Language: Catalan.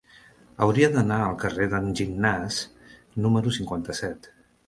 Hauria d'anar al carrer d'en Gignàs número cinquanta-set.